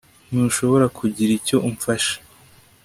ntushobora kugira icyo umfasha